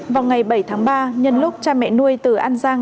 vào ngày bảy tháng ba nhân lúc cha mẹ nuôi từ an giang